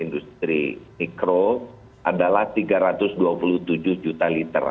industri kecil dan industri mikro adalah tiga ratus dua puluh tujuh juta liter